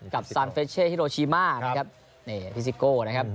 กับสันเฟชเชฮิโรชิมาฟิซิโก